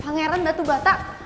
pang heran batu bata